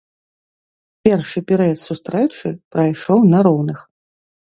Першы перыяд сустрэчы прайшоў на роўных.